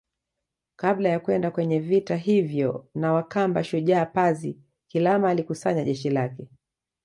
Kabla ya kwenda kwenye vita hivyo na wakamba Shujaa Pazi Kilama alikusanya jeshi lake